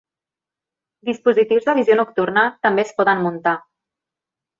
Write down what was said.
Dispositius de visió nocturna també es poden muntar.